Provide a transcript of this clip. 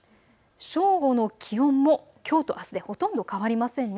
正午の気温もきょうとあすでほとんど変わりませんね。